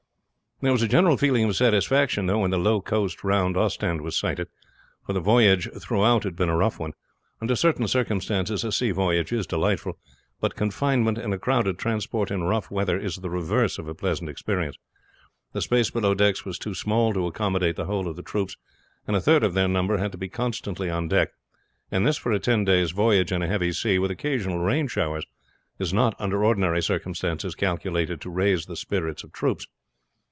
There was a general feeling of satisfaction when the low coast round Ostend was sighted, for the voyage throughout had been a rough one. Under certain circumstances a sea voyage is delightful, but confinement in a crowded transport in rough weather is the reverse of a pleasant experience. The space below decks was too small to accommodate the whole of the troops, and a third of their number had to be constantly on deck; and this for a ten days' voyage in a heavy sea, with occasional rain showers, is not, under ordinary circumstances, calculated to raise the spirits of troops.